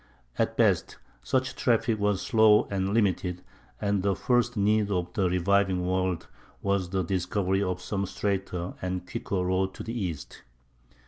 At best, such traffic was slow and limited, and the first need of the reviving world was the discovery of some straighter and quicker road to the East.